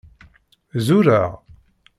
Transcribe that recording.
Zureɣ?